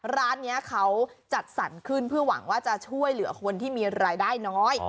ร้านนี้เขาจัดสรรขึ้นเพื่อหวังว่าจะช่วยเหลือคนที่มีรายได้น้อย